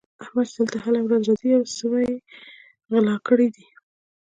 احمد چې دلته هره ورځ راځي؛ يو سوی يې غلی کړی دی.